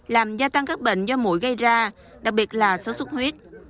làm gia tăng các bệnh do mũi gây ra đặc biệt là số sốt huyết